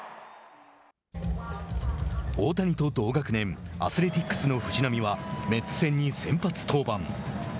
大谷と同学年アスレティックスの藤浪はメッツ戦に先発登板。